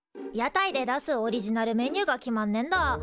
屋台で出すオリジナルメニューが決まんねんだ。